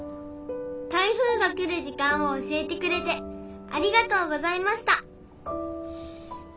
「台風がくる時間をおしえてくれてありがとうございました」。